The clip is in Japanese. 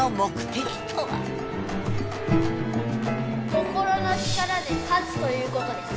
「心の力」で勝つということです。